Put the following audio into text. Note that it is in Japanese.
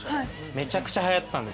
めちゃくちゃ流行ったんです。